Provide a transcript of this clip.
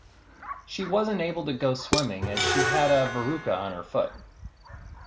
She wasn't able to go swimming as she had a verruca on her foot